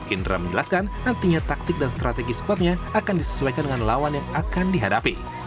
indra menjelaskan nantinya taktik dan strategi squadnya akan disesuaikan dengan lawan yang akan dihadapi